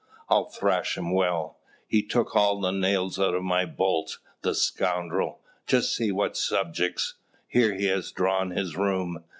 I'll thrash him well: he took all the nails out of my bolts, the scoundrel! Just see what subjects! Here he has drawn his room.